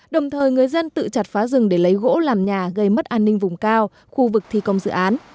đồng thời người dân tự chặt phá rừng để lấy gỗ làm nhà gây mất an ninh vùng cao khu vực thi công dự án